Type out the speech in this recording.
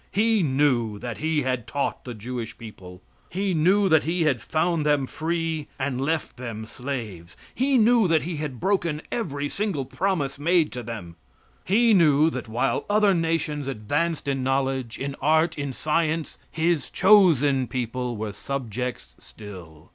He knew that He had taught the Jewish people; He knew that He had found them free and left them slaves; He knew that He had broken every single promise made to them; He knew that, while other nations advanced in knowledge, in art, in science, His chosen people were subjects still.